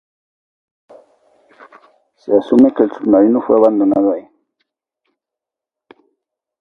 Se asume que el submarino fue abandonando ahí.